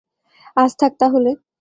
আজ থাক তাহলে!